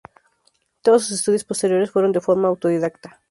Todos sus estudios posteriores fueron de forma autodidacta.